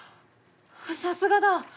さすがだ！